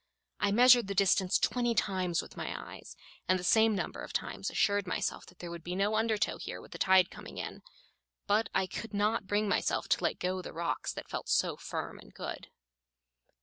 I measured the distance twenty times with my eyes, and the same number of times assured myself that there would be no undertow here with the tide coming in, but I could not bring myself to let go the rocks that felt so firm and good.